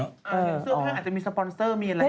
เสื้อผ้าอาจจะมีสปอนเซอร์มีอะไรอย่างนั้น